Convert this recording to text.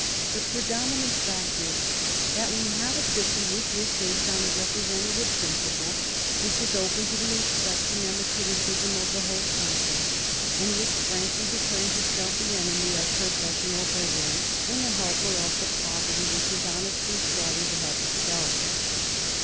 The predominant fact is that we have a system which is based on the representative principle, which is open to the inspection and the criticism of the whole country, and which frankly declares itself the enemy of professional beggary and the helper of the poverty which is honestly striving to help itself.